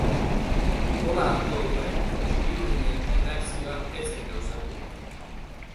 Gola hartu ondoren txuri-urdinen erreakzioa ez zen gauzatu.